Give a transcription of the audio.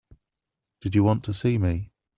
Did you want to see me?